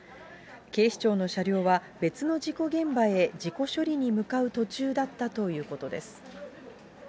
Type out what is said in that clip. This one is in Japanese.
警視庁の車両は別の事故現場へ事故処理に向かう途中だったということです。